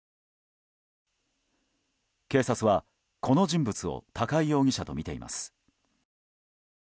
警察は、この人物を高井容疑者とみています。